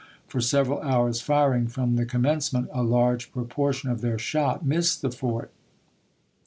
For several hours' firing from the commencement, a large proportion of their shot missed the fort.